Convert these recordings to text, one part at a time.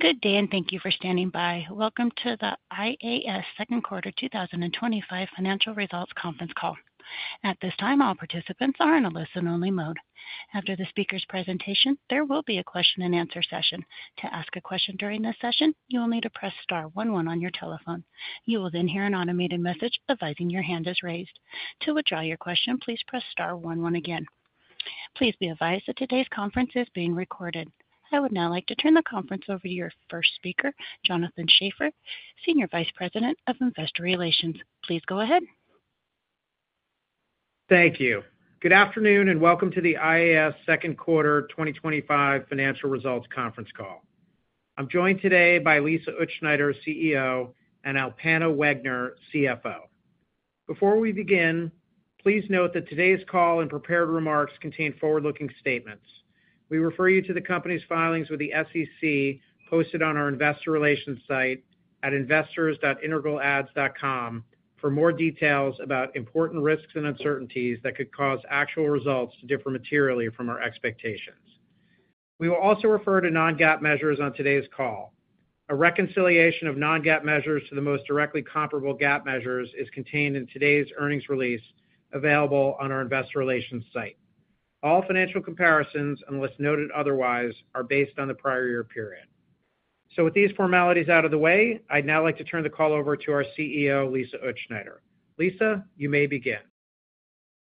Good day and thank you for standing by. Welcome to the IAS Second Quarter 2025 Financial Results Conference Call. At this time, all participants are in a listen-only mode. After the speaker's presentation, there will be a question and answer session. To ask a question during this session, you will need press Star one, one on your telephone. You will then hear an automated message advising your hand is raised. To withdraw your question, press Star one, one again. Please be advised that today's conference is being recorded. I would now like to turn the conference over to your first speaker, Jonathan Schaffer, Senior Vice President of Investor Relations. Please go ahead. Thank you. Good afternoon and welcome to the IAS Second Quarter 2025 Financial Results Conference Call. I'm joined today by Lisa Utzschneider, CEO, and Alpana Wegner, CFO. Before we begin, please note that today's call and prepared remarks contain forward-looking statements. We refer you to the company's filings with the SEC posted on our Investor Relations site at investors.integralads.com for more details about important risks and uncertainties that could cause actual results to differ materially from our expectations. We will also refer to non-GAAP measures on today's call. A reconciliation of non-GAAP measures to the most directly comparable GAAP measures is contained in today's earnings release available on our Investor Relations site. All financial comparisons, unless noted otherwise, are based on the prior year period. With these formalities out of the way, I'd now like to turn the call over to our CEO, Lisa Utzschneider. Lisa, you may begin.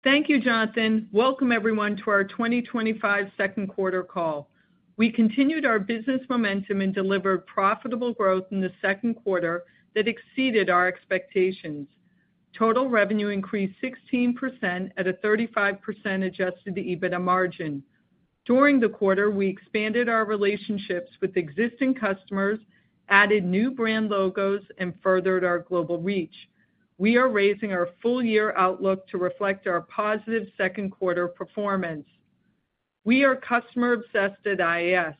Thank you, Jonathan. Welcome, everyone, to our 2025 Second Quarter call. We continued our business momentum and delivered profitable growth in the second quarter that exceeded our expectations. Total revenue increased 16% at a 35% adjusted EBITDA margin. During the quarter, we expanded our relationships with existing customers, added new brand logos, and furthered our global reach. We are raising our full-year outlook to reflect our positive second quarter performance. We are customer-obsessed at IAS.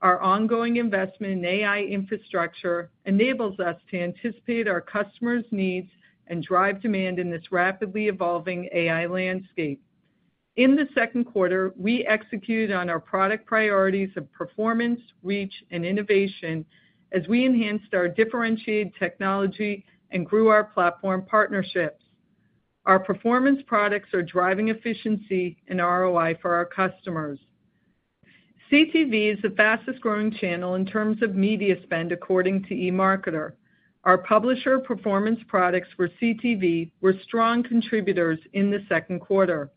Our ongoing investment in AI infrastructure enables us to anticipate our customers' needs and drive demand in this rapidly evolving AI landscape. In the second quarter, we executed on our product priorities of performance, reach, and innovation as we enhanced our differentiated technology and grew our platform partnerships. Our performance products are driving efficiency and ROI for our customers. CTV is the fastest growing channel in terms of media spend according to eMarketer. Our publisher performance products for CTV were strong contributors in the second quarter.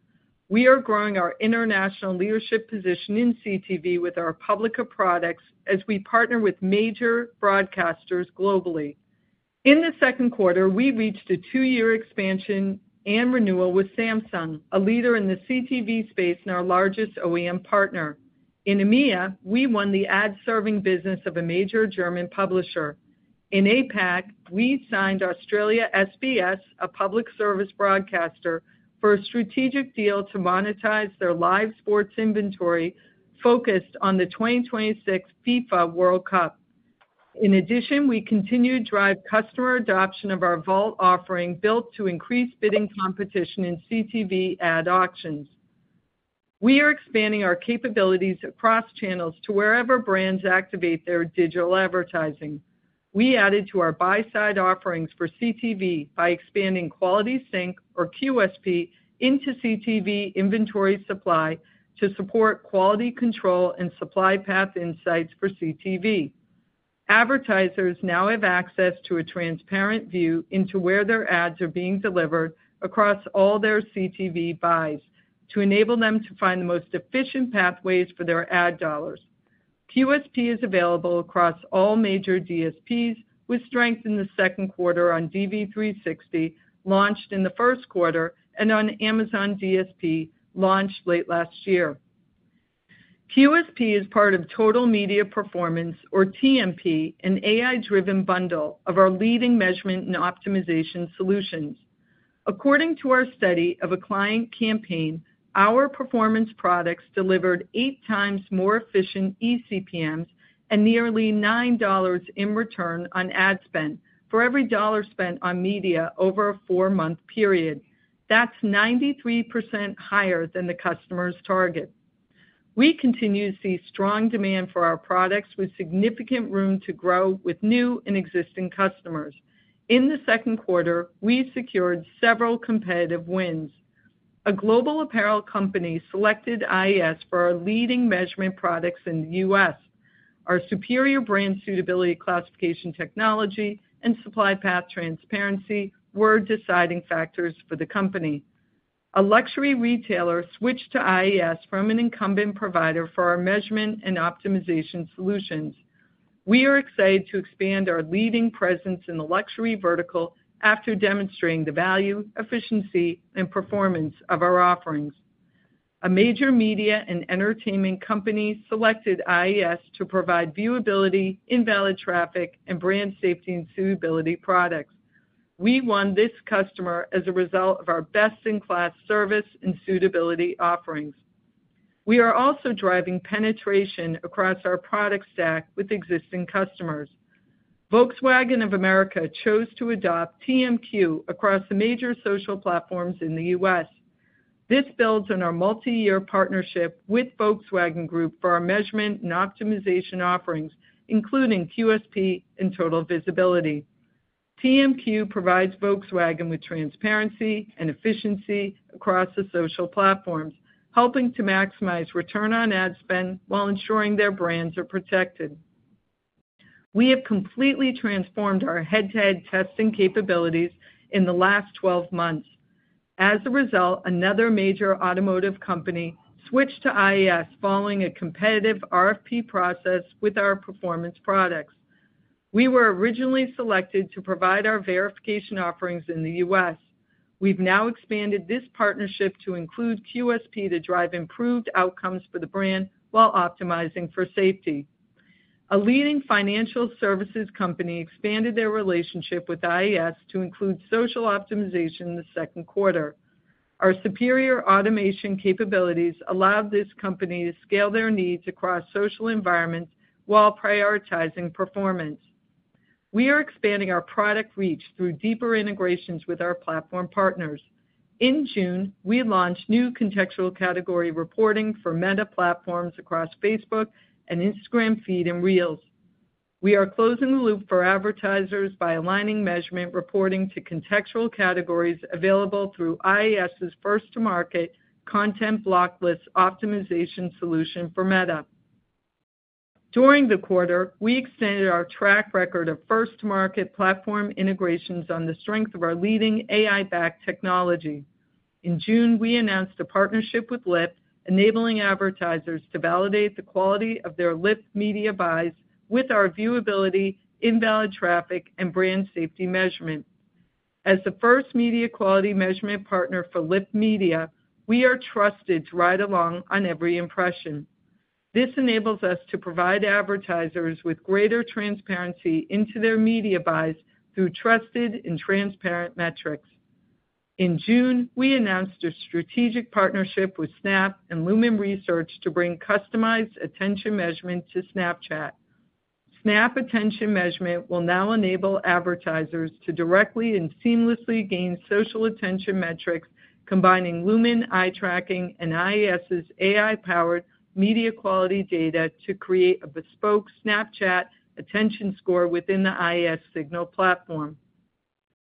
We are growing our international leadership position in CTV with our publisher products as we partner with major broadcasters globally. In the second quarter, we reached a two-year expansion and renewal with Samsung, a leader in the CTV space and our largest OEM partner. In EMEA, we won the ad-serving business of a major German publisher. In APAC, we signed Australia SBS, a public service broadcaster, for a strategic deal to monetize their live sports inventory focused on the 2026 FIFA World Cup. In addition, we continue to drive customer adoption of our vault offering built to increase bidding competition in CTV ad auctions. We are expanding our capabilities across channels to wherever brands activate their digital advertising. We added to our buy-side offerings for CTV by expanding Quality Sync, or QSP, into CTV inventory supply to support quality control and supply path insights for CTV. Advertisers now have access to a transparent view into where their ads are being delivered across all their CTV buys to enable them to find the most efficient pathways for their ad dollars. QSP is available across all major DSPs with strength in the second quarter on DV360, launched in the first quarter, and on Amazon DSP, launched late last year. QSP is part of Total Media Performance, or TMP, an AI-driven bundle of our leading measurement and optimization solutions. According to our study of a client campaign, our performance products delivered 8x more efficient eCPMs and nearly $9 in return on ad spend for every dollar spent on media over a four-month period. That's 93% higher than the customer's target. We continue to see strong demand for our products with significant room to grow with new and existing customers. In the second quarter, we secured several competitive wins. A global apparel company selected IAS for our leading measurement products in the U.S. Our superior brand suitability classification technology and supply path transparency were deciding factors for the company. A luxury retailer switched to IAS from an incumbent provider for our measurement and optimization solutions. We are excited to expand our leading presence in the luxury vertical after demonstrating the value, efficiency, and performance of our offerings. A major media and entertainment company selected IAS to provide viewability, invalid traffic, and brand safety and suitability products. We won this customer as a result of our best-in-class service and suitability offerings. We are also driving penetration across our product stack with existing customers. Volkswagen of America chose to adopt TMQ across the major social platforms in the U.S. This builds on our multi-year partnership with Volkswagen Group for our measurement and optimization offerings, including QSP and Total Visibility. TMQ provides Volkswagen with transparency and efficiency across the social platforms, helping to maximize return on ad spend while ensuring their brands are protected. We have completely transformed our head-to-head testing capabilities in the last 12 months. As a result, another major automotive company switched to IAS following a competitive RFP process with our performance products. We were originally selected to provide our verification offerings in the U.S. We've now expanded this partnership to include QSP to drive improved outcomes for the brand while optimizing for safety. A leading financial services company expanded their relationship with IAS to include social optimization in the second quarter. Our superior automation capabilities allowed this company to scale their needs across social environments while prioritizing performance. We are expanding our product reach through deeper integrations with our platform partners. In June, we launched new Contextual Category Reporting for Meta Platforms across Facebook and Instagram feed and Reels. We are closing the loop for advertisers by aligning measurement reporting to contextual categories available through IAS's first-to-market content block list optimization solution for Meta. During the quarter, we extended our track record of first-to-market platform integrations on the strength of our leading AI-backed technology. In June, we announced a partnership with Lyft, enabling advertisers to validate the quality of their Lyft media buys with our viewability, invalid traffic, and brand safety measurement. As the first media quality measurement partner for Lyft Media, we are trusted to ride along on every impression. This enables us to provide advertisers with greater transparency into their media buys through trusted and transparent metrics. In June, we announced a strategic partnership with Snap and Lumen Research to bring customized attention measurement to Snapchat. Snap attention measurement will now enable advertisers to directly and seamlessly gain social attention metrics, combining Lumen eye tracking and IAS's AI-powered media quality data to create a bespoke Snapchat attention score within the IAS Signal platform.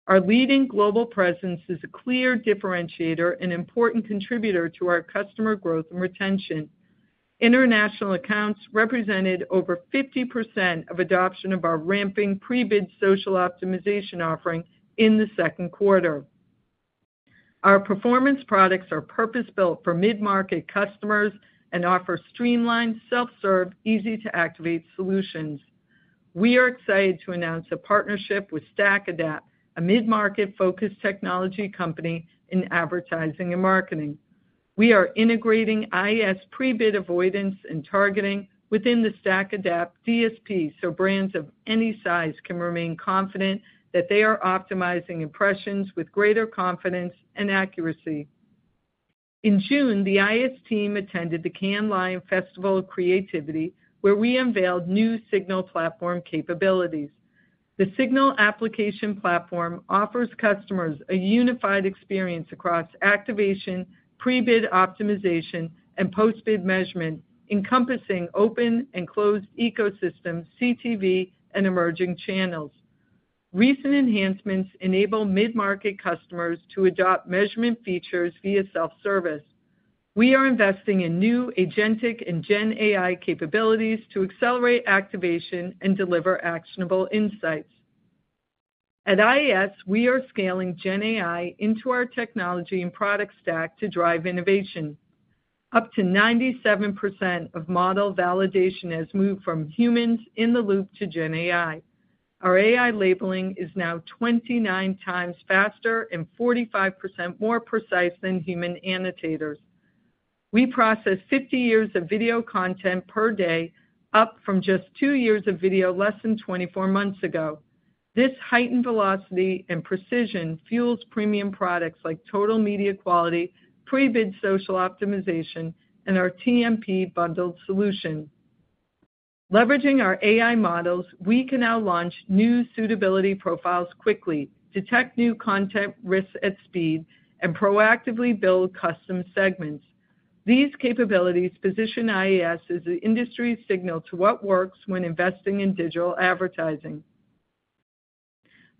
Our leading global presence is a clear differentiator and important contributor to our customer growth and retention. International accounts represented over 50% of adoption of our ramping pre-bid social optimization offering in the second quarter. Our performance products are purpose-built for mid-market customers and offer streamlined, self-serve, easy-to-activate solutions. We are excited to announce a partnership with StackAdapt, a mid-market focused technology company in advertising and marketing. We are integrating IAS pre-bid avoidance and targeting within the StackAdapt DSP so brands of any size can remain confident that they are optimizing impressions with greater confidence and accuracy. In June, the IAS team attended the Cannes Live Festival of Creativity, where we unveiled new Signal platform capabilities. The Signal application platform offers customers a unified experience across activation, pre-bid optimization, and post-bid measurement, encompassing open and closed ecosystems, CTV, and emerging channels. Recent enhancements enable mid-market customers to adopt measurement features via self-service. We are investing in new Agentic and GenAI capabilities to accelerate activation and deliver actionable insights. At IAS, we are scaling GenAI into our technology and product stack to drive innovation. Up to 97% of model validation has moved from humans in the loop to GenAI. Our AI labeling is now 29x faster and 45% more precise than human annotators. We process 50 years of video content per day, up from just two years of video less than 24 months ago. This heightened velocity and precision fuels premium products like Total Media Quality, pre-bid social optimization, and our TMP bundled solution. Leveraging our AI models, we can now launch new suitability profiles quickly, detect new content risks at speed, and proactively build custom segments. These capabilities position IAS as the industry signal to what works when investing in digital advertising.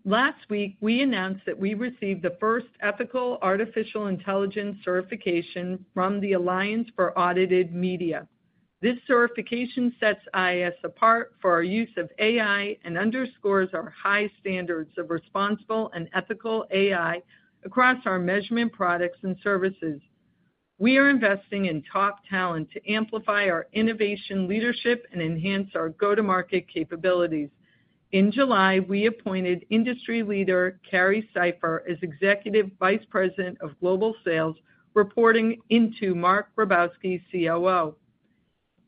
Last week, we announced that we received the first ethical AI certification from the Alliance for Audited Media. This certification sets IAS apart for our use of AI and underscores our high standards of responsible and ethical AI across our measurement products and services. We are investing in top talent to amplify our innovation leadership and enhance our go-to-market capabilities. In July, we appointed industry leader Carrie Cypher as Executive Vice President of Global Sales, reporting into Mark Rabowski, COO.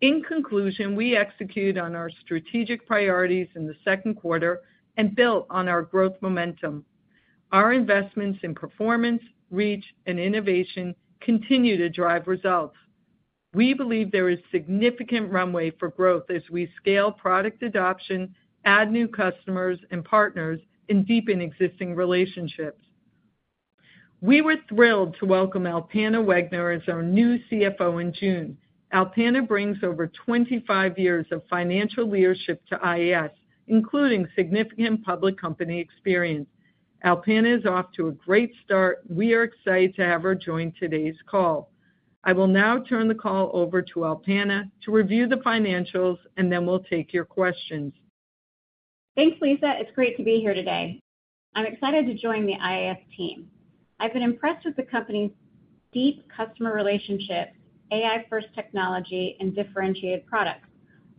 In conclusion, we execute on our strategic priorities in the second quarter and build on our growth momentum. Our investments in performance, reach, and innovation continue to drive results. We believe there is significant runway for growth as we scale product adoption, add new customers and partners, and deepen existing relationships. We were thrilled to welcome Alpana Wegner as our new CFO in June. Alpana brings over 25 years of financial leadership to IAS, including significant public company experience. Alpana is off to a great start. We are excited to have her join today's call. I will now turn the call over to Alpana to review the financials, and then we'll take your questions. Thanks, Lisa. It's great to be here today. I'm excited to join the IAS team. I've been impressed with the company's deep customer relationship, AI-first technology, and differentiated products,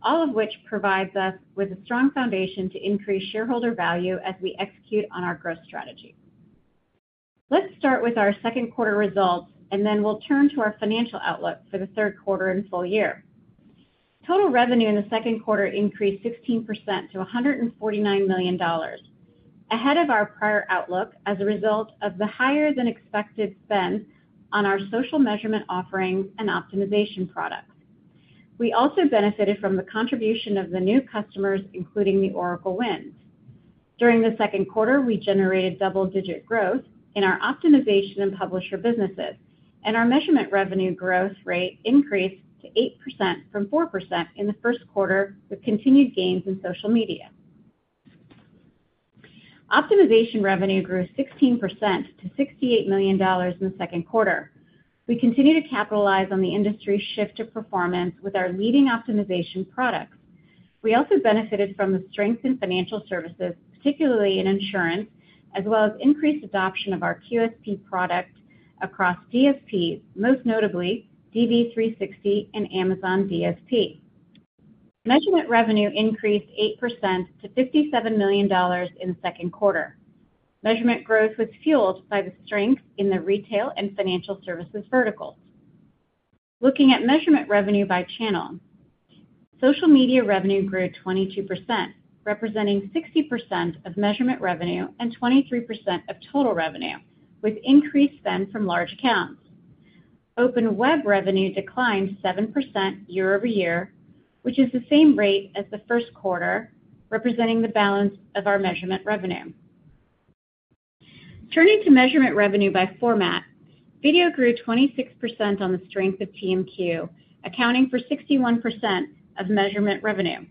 all of which provide us with a strong foundation to increase shareholder value as we execute on our growth strategy. Let's start with our second quarter results, and then we'll turn to our financial outlook for the third quarter and full year. Total revenue in the second quarter increased 16% to $149 million, ahead of our prior outlook as a result of the higher-than-expected spend on our social measurement offerings and optimization products. We also benefited from the contribution of the new customers, including the Oracle wins. During the second quarter, we generated double-digit growth in our optimization and publisher businesses, and our measurement revenue growth rate increased to 8% from 4% in the first quarter, with continued gains in social media. Optimization revenue grew 16% to $68 million in the second quarter. We continue to capitalize on the industry's shift to performance with our leading optimization products. We also benefited from the strength in financial services, particularly in insurance, as well as increased adoption of our QSP product across DSPs, most notably DV360 and Amazon DSP. Measurement revenue increased 8% to $57 million in the second quarter. Measurement growth was fueled by the strength in the retail and financial services verticals. Looking at measurement revenue by channel, social media revenue grew 22%, representing 60% of measurement revenue and 23% of total revenue, with increased spend from large accounts. Open web revenue declined 7% year-over-year, which is the same rate as the first quarter, representing the balance of our measurement revenue. Turning to measurement revenue by format, video grew 26% on the strength of TMQ, accounting for 61% of measurement revenue.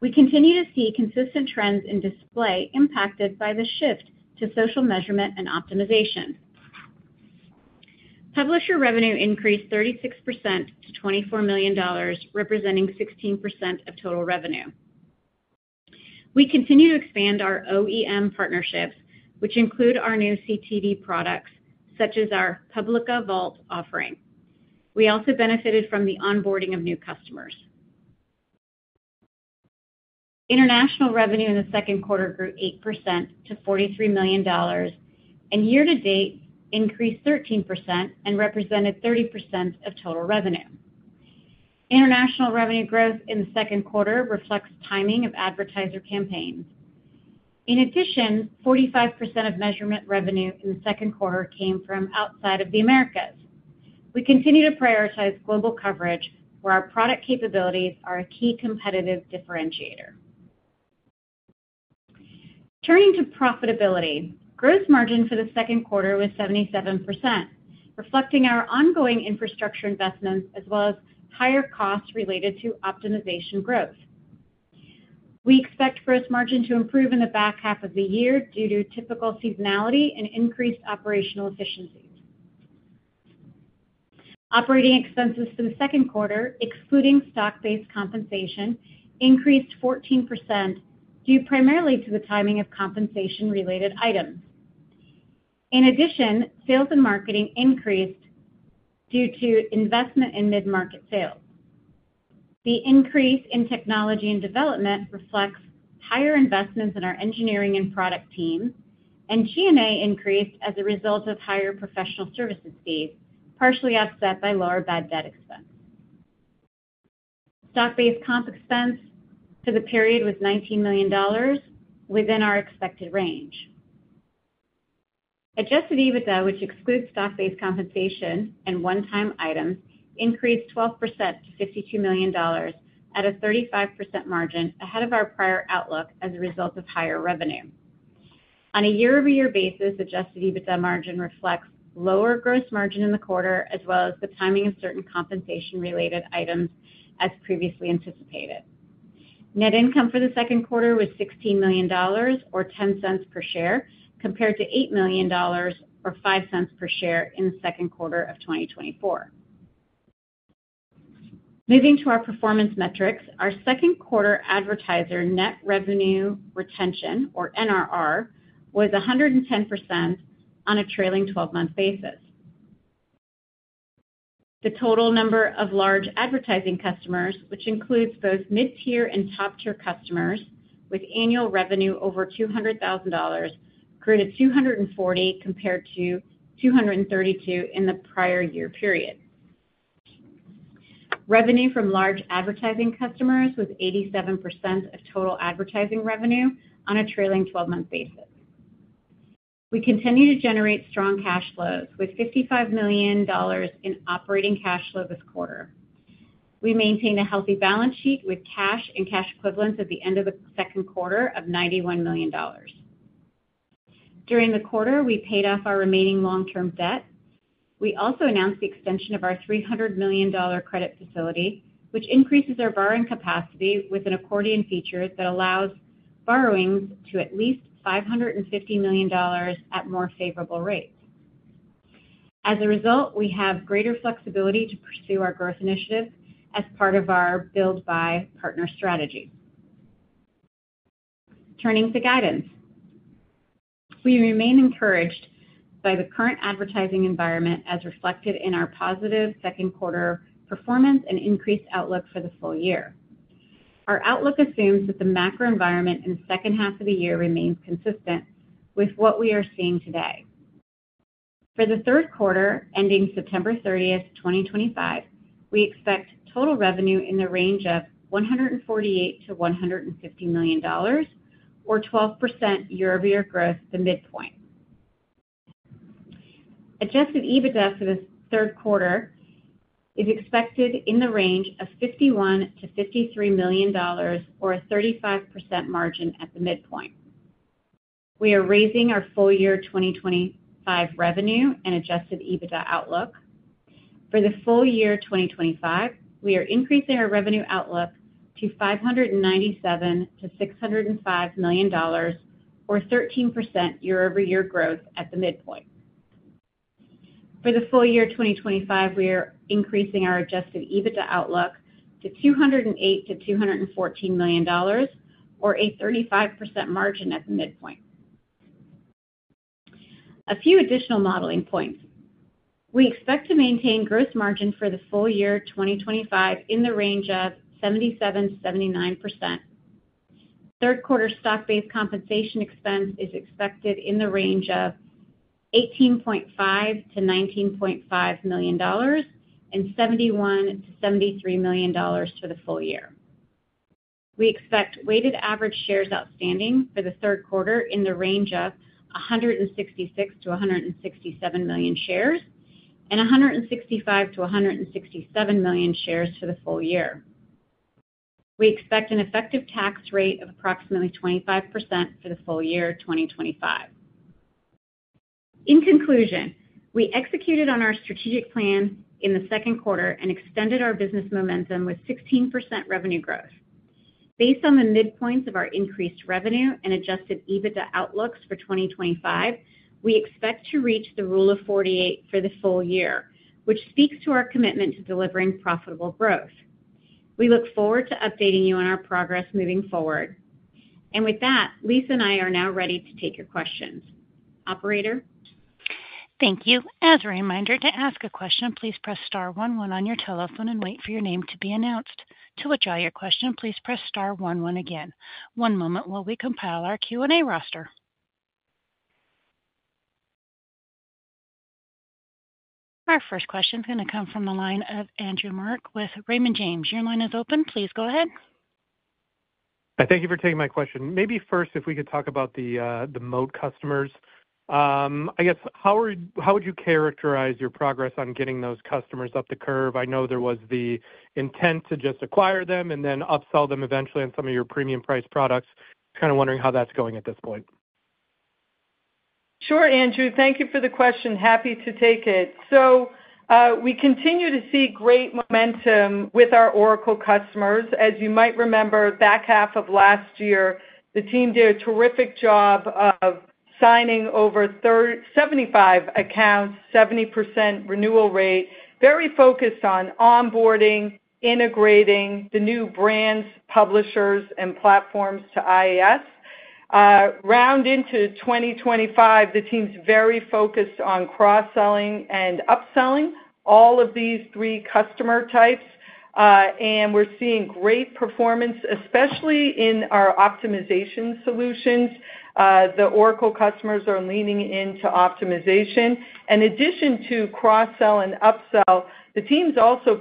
We continue to see consistent trends in display impacted by the shift to social measurement and optimization. Publisher revenue increased 36% to $24 million, representing 16% of total revenue. We continue to expand our OEM partnerships, which include our new CTV products, such as our Publica Vault offering. We also benefited from the onboarding of new customers. International revenue in the second quarter grew 8% to $43 million, and year-to-date increased 13% and represented 30% of total revenue. International revenue growth in the second quarter reflects timing of advertiser campaigns. In addition, 45% of measurement revenue in the second quarter came from outside of the Americas. We continue to prioritize global coverage, where our product capabilities are a key competitive differentiator. Turning to profitability, gross margin for the second quarter was 77%, reflecting our ongoing infrastructure investments, as well as higher costs related to optimization growth. We expect gross margin to improve in the back half of the year due to typical seasonality and increased operational efficiency. Operating expenses for the second quarter, excluding stock-based compensation, increased 14%, due primarily to the timing of compensation-related items. In addition, sales and marketing increased due to investment in mid-market sales. The increase in technology and development reflects higher investments in our engineering and product team, and G&A increased as a result of higher professional services fees, partially offset by lower bad debt expense. Stock-based comp expense for the period was $19 million, within our expected range. Adjusted EBITDA, which excludes stock-based compensation and one-time items, increased 12% to $52 million at a 35% margin, ahead of our prior outlook as a result of higher revenue. On a year-over-year basis, adjusted EBITDA margin reflects lower gross margin in the quarter, as well as the timing of certain compensation-related items, as previously anticipated. Net income for the second quarter was $16 million, or $0.10 per share, compared to $8 million, or $0.05 per share in the second quarter of 2024. Moving to our performance metrics, our second quarter advertiser net revenue retention, or NRR, was 110% on a trailing 12-month basis. The total number of large advertising customers, which includes both mid-tier and top-tier customers with annual revenue over $200,000, grew to 240 compared to 232 in the prior year period. Revenue from large advertising customers was 87% of total advertising revenue on a trailing 12-month basis. We continue to generate strong cash flows, with $55 million in operating cash flow this quarter. We maintained a healthy balance sheet with cash and cash equivalents at the end of the second quarter of $91 million. During the quarter, we paid off our remaining long-term debt. We also announced the extension of our $300 million credit facility, which increases our borrowing capacity with an accordion feature that allows borrowings to at least $550 million at more favorable rates. As a result, we have greater flexibility to pursue our growth initiatives as part of our build-buy partner strategy. Turning to guidance, we remain encouraged by the current advertising environment, as reflected in our positive second quarter performance and increased outlook for the full year. Our outlook assumes that the macro environment in the second half of the year remains consistent with what we are seeing today. For the third quarter ending September 30, 2025, we expect total revenue in the range of $148 million-$150 million, or 12% year-over-year growth at the midpoint. Adjusted EBITDA for the third quarter is expected in the range of $51 million-$53 million, or a 35% margin at the midpoint. We are raising our full year 2025 revenue and adjusted EBITDA outlook. For the full year 2025, we are increasing our revenue outlook to $597 million-$605 million, or 13% year-over-year growth at the midpoint. For the full year 2025, we are increasing our adjusted EBITDA outlook to $208 million-$214 million, or a 35% margin at the midpoint. A few additional modeling points. We expect to maintain gross margin for the full year 2025 in the range of 77%-79%. Third quarter stock-based compensation expense is expected in the range of $18.5 million-$19.5 million and $71 million-$73 million for the full year. We expect weighted average shares outstanding for the third quarter in the range of 166 million-167 million shares and 165 million-167 million shares for the full year. We expect an effective tax rate of approximately 25% for the full year 2025. In conclusion, we executed on our strategic plan in the second quarter and extended our business momentum with 16% revenue growth. Based on the midpoints of our increased revenue and adjusted EBITDA outlooks for 2025, we expect to reach the rule of 48 for the full year, which speaks to our commitment to delivering profitable growth. We look forward to updating you on our progress moving forward. Lisa and I are now ready to take your questions. Operator? Thank you. As a reminder, to ask a question, press Star one, one on your telephone and wait for your name to be announced. To withdraw your question, press Star one, one again. One moment while we compile our Q&A roster. Our first question is going to come from the line of Andrew Marok with Raymond James. Your line is open. Please go ahead. Thank you for taking my question. Maybe first, if we could talk about the Moat customers. I guess, how would you characterize your progress on getting those customers up the curve? I know there was the intent to just acquire them and then upsell them eventually on some of your premium-priced products. I was kind of wondering how that's going at this point. Sure, Andrew. Thank you for the question. Happy to take it. We continue to see great momentum with our Oracle customers. As you might remember, back half of last year, the team did a terrific job of signing over 75 accounts, 70% renewal rate, very focused on onboarding, integrating the new brands, publishers, and platforms to IAS. Going into 2025, the team's very focused on cross-selling and upselling all of these three customer types. We're seeing great performance, especially in our optimization solutions. The Oracle customers are leaning into optimization. In addition to cross-sell and upsell, the team's also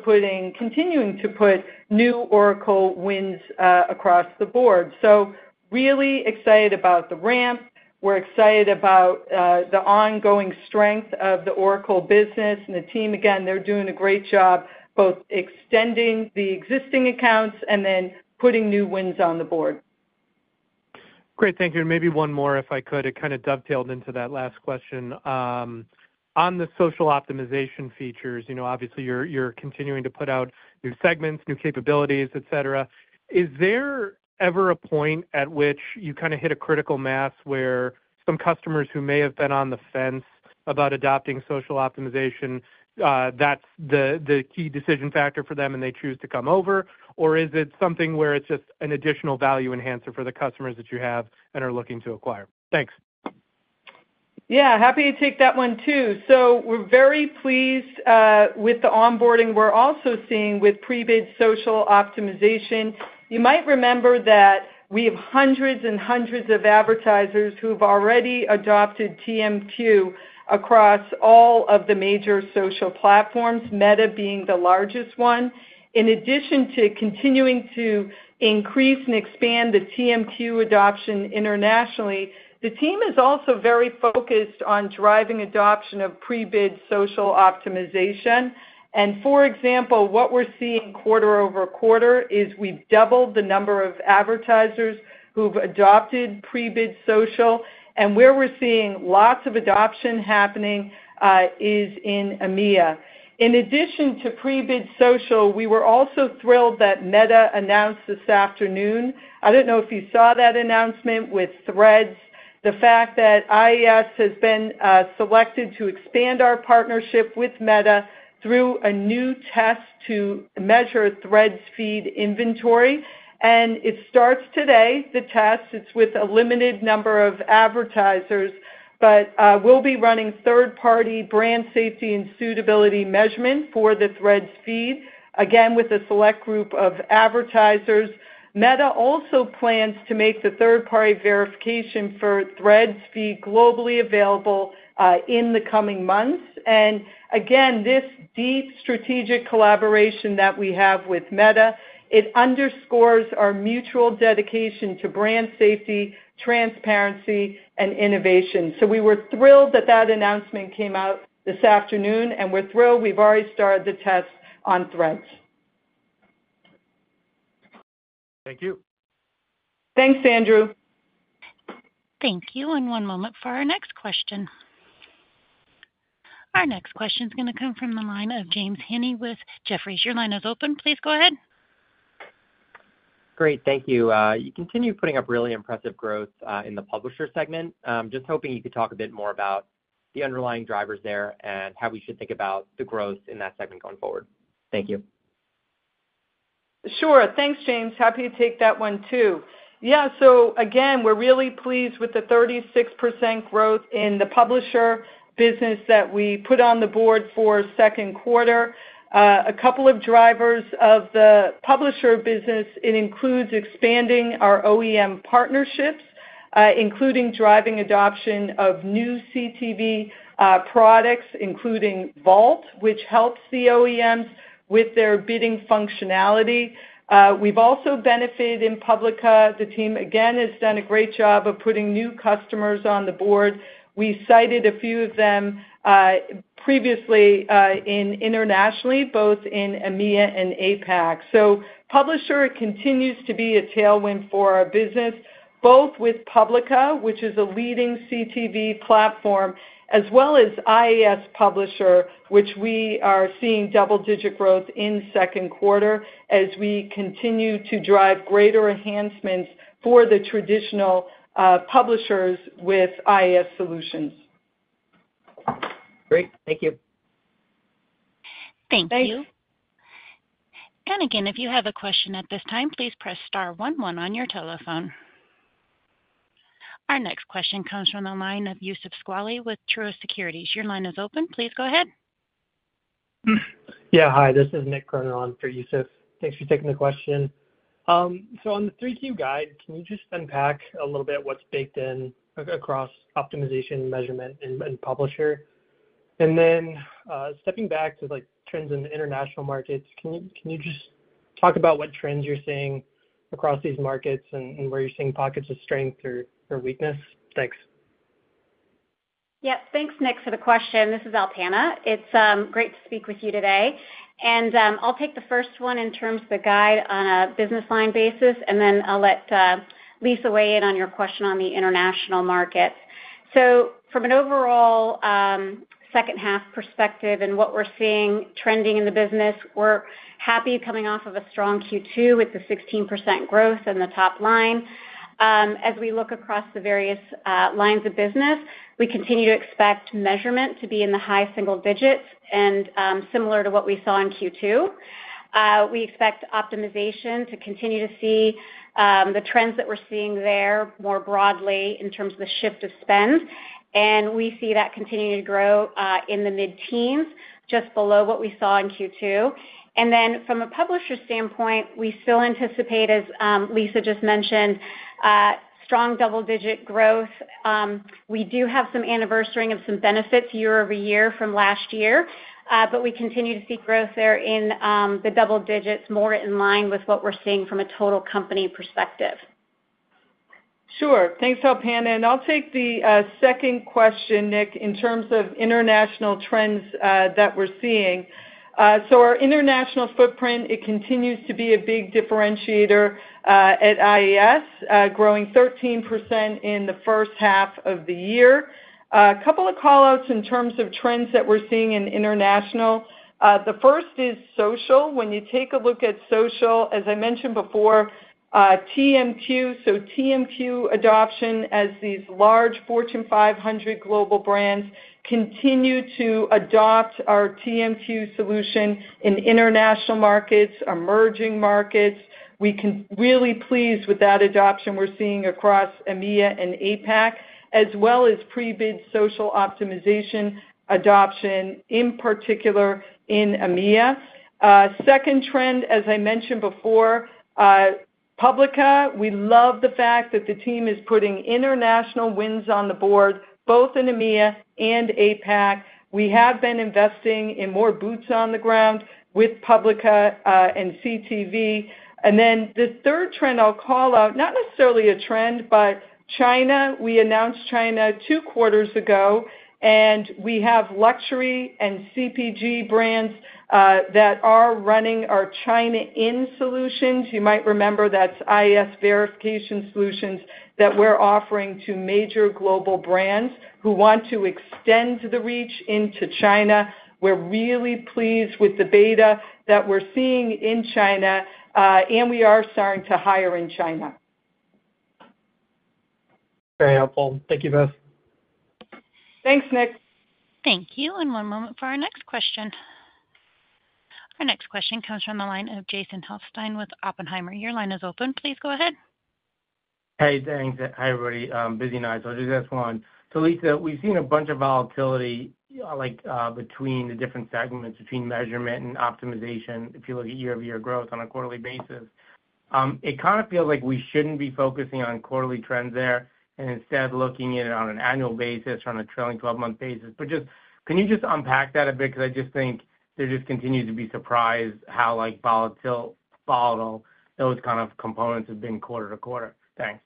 continuing to put new Oracle wins across the board. Really excited about the ramp. We're excited about the ongoing strength of the Oracle business and the team. Again, they're doing a great job both extending the existing accounts and then putting new wins on the board. Great. Thank you. Maybe one more, if I could. It kind of dovetailed into that last question. On the social optimization features, you know, obviously, you're continuing to put out new segments, new capabilities, et cetera. Is there ever a point at which you kind of hit a critical mass where some customers who may have been on the fence about adopting social optimization, that's the key decision factor for them and they choose to come over? Is it something where it's just an additional value enhancer for the customers that you have and are looking to acquire? Thanks. Yeah, happy to take that one, too. We're very pleased with the onboarding we're also seeing with pre-bid social optimization. You might remember that we have hundreds and hundreds of advertisers who have already adopted TMQ across all of the major social platforms, Meta being the largest one. In addition to continuing to increase and expand the TMQ adoption internationally, the team is also very focused on driving adoption of pre-bid social optimization. For example, what we're seeing quarter-over-quarter is we've doubled the number of advertisers who have adopted pre-bid social. Where we're seeing lots of adoption happening is in EMEA. In addition to pre-bid social, we were also thrilled that Meta announced this afternoon. I don't know if you saw that announcement with Threads, the fact that IAS has been selected to expand our partnership with Meta through a new test to measure Threads feed inventory. It starts today, the test. It's with a limited number of advertisers, but we'll be running third-party brand safety and suitability measurement for the Threads feed, again, with a select group of advertisers. Meta also plans to make the third-party verification for Threads feed globally available in the coming months. This deep strategic collaboration that we have with Meta underscores our mutual dedication to brand safety, transparency, and innovation. We were thrilled that that announcement came out this afternoon, and we're thrilled we've already started the test on Threads. Thank you. Thanks, Andrew. Thank you. One moment for our next question. Our next question is going to come from the line of James Heaney with Jefferies. Your line is open. Please go ahead. Great. Thank you. You continue putting up really impressive growth in the publisher segment. I'm just hoping you could talk a bit more about the underlying drivers there and how we should think about the growth in that segment going forward. Thank you. Sure. Thanks, James. Happy to take that one, too. Yeah, we're really pleased with the 36% growth in the publisher business that we put on the board for the second quarter. A couple of drivers of the publisher business include expanding our OEM partnerships, including driving adoption of new CTV products, including Vault, which helps the OEMs with their bidding functionality. We've also benefited in Publica. The team has done a great job of putting new customers on the board. We cited a few of them previously internationally, both in EMEA and APAC. Publisher continues to be a tailwind for our business, both with Publica, which is a leading CTV platform, as well as IAS Publisher, which we are seeing double-digit growth in the second quarter as we continue to drive greater enhancements for the traditional publishers with IAS solutions. Great. Thank you. Thank you. If you have a question at this time, press Star one, one on your telephone. Our next question comes from the line of Youssef Squali with Truist Securities. Your line is open. Please go ahead. Yeah, hi. This is Nick Kerner on for Youssef. Thanks for taking the question. On the 3Q guide, can you just unpack a little bit what's baked in across optimization, measurement, and publisher? Stepping back to trends in the international markets, can you just talk about what trends you're seeing across these markets and where you're seeing pockets of strength or weakness? Thanks. Yep. Thanks, Nick, for the question. This is Alpana. It's great to speak with you today. I'll take the first one in terms of the guide on a business line basis, and then I'll let Lisa weigh in on your question on the international markets. From an overall second-half perspective and what we're seeing trending in the business, we're happy coming off of a strong Q2 with the 16% growth in the top line. As we look across the various lines of business, we continue to expect measurement to be in the high single-digits, similar to what we saw in Q2. We expect optimization to continue to see the trends that we're seeing there more broadly in terms of the shift of spend. We see that continuing to grow in the mid-teens, just below what we saw in Q2. From a publisher standpoint, we still anticipate, as Lisa just mentioned, strong double-digit growth. We do have some anniversary of some benefits year over year from last year, but we continue to see growth there in the double digits, more in line with what we're seeing from a total company perspective. Sure. Thanks, Alpana. I'll take the second question, Nick, in terms of international trends that we're seeing. Our international footprint continues to be a big differentiator at IAS, growing 13% in the first half of the year. A couple of callouts in terms of trends that we're seeing in international. The first is social. When you take a look at social, as I mentioned before, TMQ, so TMQ adoption as these large Fortune 500 global brands continue to adopt our TMQ solution in international markets, emerging markets. We can really be pleased with that adoption we're seeing across EMEA and APAC, as well as pre-bid social optimization adoption, in particular in EMEA. The second trend, as I mentioned before, Publica. We love the fact that the team is putting international wins on the board, both in EMEA and APAC. We have been investing in more boots on the ground with Publica and CTV. The third trend I'll call out, not necessarily a trend, but China. We announced China two quarters ago, and we have luxury and CPG brands that are running our China Inn solutions. You might remember that's IAS verification solutions that we're offering to major global brands who want to extend the reach into China. We're really pleased with the beta that we're seeing in China, and we are starting to hire in China. Very helpful. Thank you both. Thanks, Nick. Thank you. One moment for our next question. Our next question comes from the line of Jason Helfstein with Oppenheimer. Your line is open. Please go ahead. Hey, thanks. Hey, everybody. Busy night. I'll do this one. Lisa, we've seen a bunch of volatility between the different segments, between measurement and optimization. If you look at year-over-year growth on a quarterly basis, it kind of feels like we shouldn't be focusing on quarterly trends there, and instead looking at it on an annual basis or on a trailing 12-month basis. Can you just unpack that a bit? I just think there continues to be surprise how volatile those kind of components have been quarter to quarter. Thanks.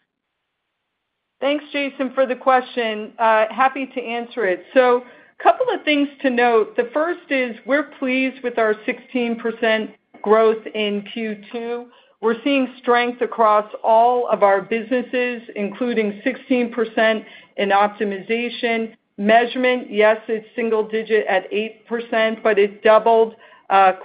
Thanks, Jason, for the question. Happy to answer it. A couple of things to note. The first is we're pleased with our 16% growth in Q2. We're seeing strength across all of our businesses, including 16% in optimization. Measurement, yes, it's single-digit at 8%, but it doubled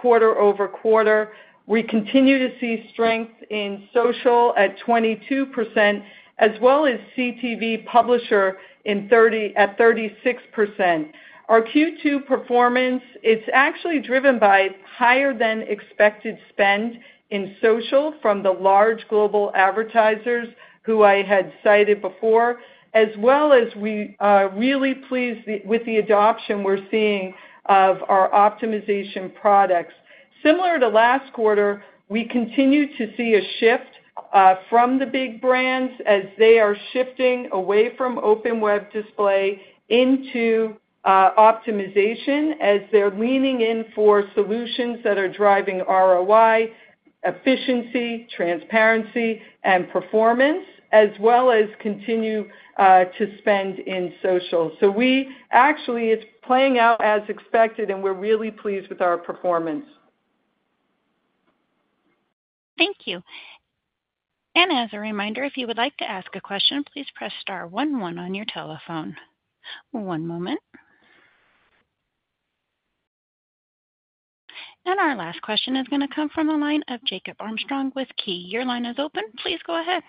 quarter-over-quarter. We continue to see strength in social at 22%, as well as CTV publisher at 36%. Our Q2 performance is actually driven by higher than expected spend in social from the large global advertisers who I had cited before, as well as we are really pleased with the adoption we're seeing of our optimization products. Similar to last quarter, we continue to see a shift from the big brands as they are shifting away from open web display into optimization as they're leaning in for solutions that are driving ROI, efficiency, transparency, and performance, as well as continue to spend in social. It is playing out as expected, and we're really pleased with our performance. Thank you. As a reminder, if you would like to ask a question, press Star one, one on your telephone. One moment. Our last question is going to come from the line of Jacob Armstrong with Key. Your line is open. Please go ahead.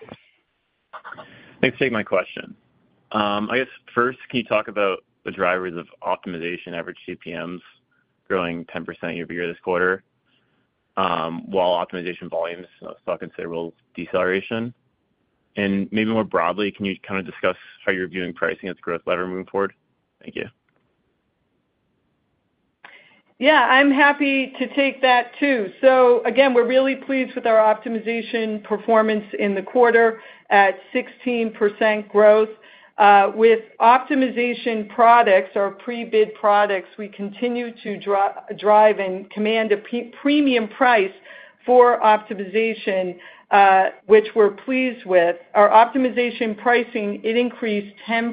Thanks for taking my question. I guess first, can you talk about the drivers of optimization average CPMs growing 10% year-over-year this quarter while optimization volumes saw considerable deceleration? Maybe more broadly, can you kind of discuss how you're viewing pricing as a growth lever moving forward? Thank you. Yeah, I'm happy to take that, too. We're really pleased with our optimization performance in the quarter at 16% growth. With optimization products, our pre-bid products, we continue to drive and command a premium price for optimization, which we're pleased with. Our optimization pricing increased 10%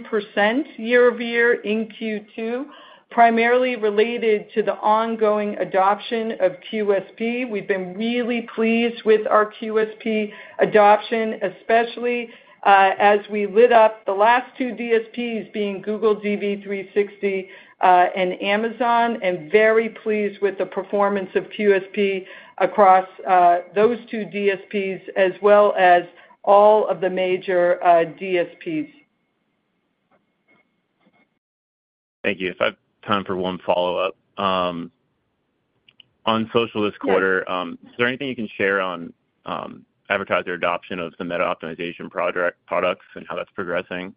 year-over-year in Q2, primarily related to the ongoing adoption of QSP. We've been really pleased with our QSP adoption, especially as we lit up the last two DSPs, being Google DV360 and Amazon DSP, and very pleased with the performance of QSP across those two DSPs, as well as all of the major DSPs. Thank you. If I have time for one follow-up. On social this quarter, is there anything you can share on advertiser adoption of the Meta optimization products and how that's progressing?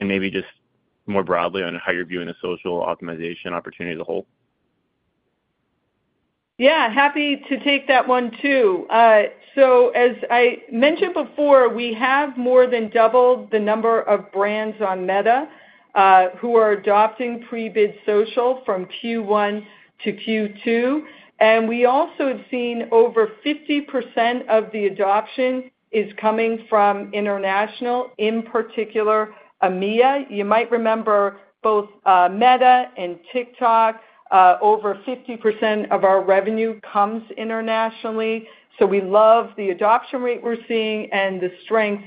Maybe just more broadly on how you're viewing the social optimization opportunity as a whole? Yeah, happy to take that one, too. As I mentioned before, we have more than doubled the number of brands on Meta who are adopting pre-bid social from Q1 to Q2. We also have seen over 50% of the adoption is coming from international, in particular EMEA. You might remember both Meta and TikTok, over 50% of our revenue comes internationally. We love the adoption rate we're seeing and the strength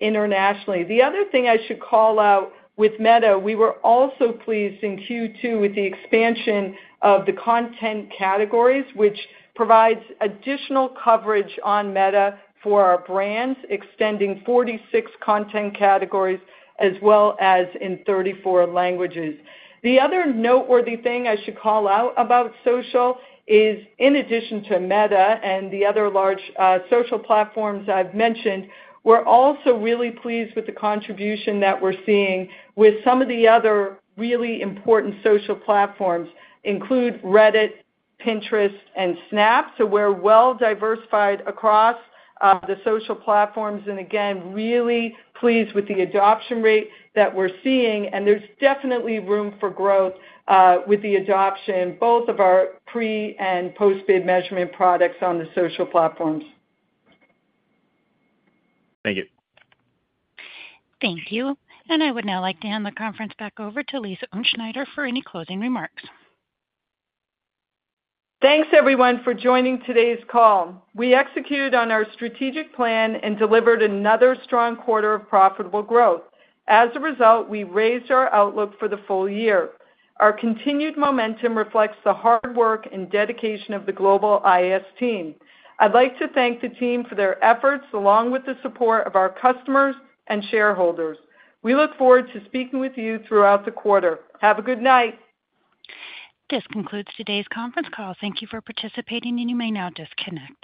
internationally. The other thing I should call out with Meta, we were also pleased in Q2 with the expansion of the content categories, which provides additional coverage on Meta for our brands, extending 46 content categories, as well as in 34 languages. The other noteworthy thing I should call out about social is, in addition to Meta and the other large social platforms I've mentioned, we're also really pleased with the contribution that we're seeing with some of the other really important social platforms, including Reddit, Pinterest, and Snap. We're well diversified across the social platforms. Again, really pleased with the adoption rate that we're seeing. There's definitely room for growth with the adoption, both of our pre- and post-bid measurement products on the social platforms. Thank you. Thank you. I would now like to hand the conference back over to Lisa Utzschneider for any closing remarks. Thanks, everyone, for joining today's call. We executed on our strategic plan and delivered another strong quarter of profitable growth. As a result, we raised our outlook for the full year. Our continued momentum reflects the hard work and dedication of the global IAS team. I'd like to thank the team for their efforts, along with the support of our customers and shareholders. We look forward to speaking with you throughout the quarter. Have a good night. This concludes today's conference call. Thank you for participating, and you may now disconnect.